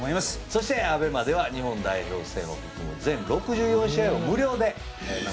そしてＡＢＥＭＡでは日本代表戦を含む全６４試合を無料で生中継します。